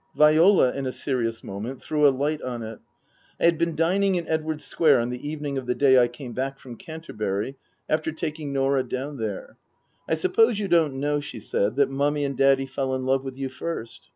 Viola, in a serious moment, threw a light on it. (I had been dining in Edwardes Square on the evening of the day I came back from Canterbury after taking Norah down there.) " I suppose you don't know," she said, " that Mummy and Daddy fell in love with you first